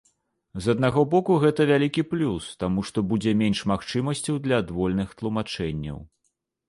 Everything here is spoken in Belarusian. З аднаго боку, гэта вялікі плюс, таму што будзе менш магчымасцяў для адвольных тлумачэнняў.